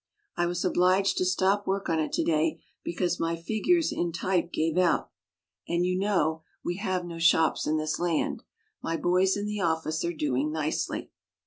I was obliged to stop work on it to day because my figures in type gave out, and you know 50 WOMEN OF ACHIEVEMENT we have no shops in this land. My boys in the office are doing nicely."